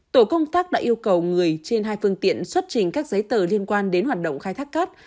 tổ công tác đã yêu cầu người trên hai phương tiện xuất trình các giấy tờ liên quan đến hoạt động khai thác cát